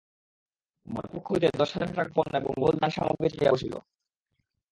বরপক্ষ হইতে দশ হাজার টাকা পণ এবং বহুল দানসামগ্রী চাহিয়া বসিল।